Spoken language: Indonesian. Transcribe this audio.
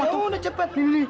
ya udah cepet